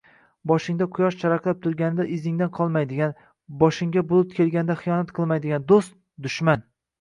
Boshingda quyosh charaqlab turganida izingdan qolmaydigan, boshingga bulut kelganida xiyonat qiladigan “do’st”- dushman.